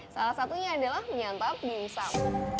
salah satunya adalah menyantap dimsum